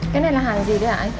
cái này là hàng gì đấy hả anh